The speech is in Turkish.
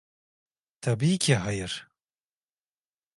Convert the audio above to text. Tabii ki hayır!